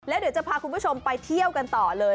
เดี๋ยวจะพาคุณผู้ชมไปเที่ยวกันต่อเลย